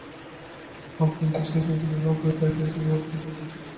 অক্ষয়ের বিশ্বাস এই যে, বিবাহ করিতে আসিয়া শেষ মুহূর্তে সে পিছাইয়াছিল।